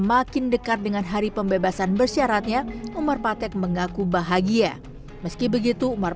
makin dekat dengan hari pembebasan bersyaratnya umar patek mengaku bahagia meski begitu umar